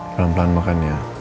pelan pelan makan ya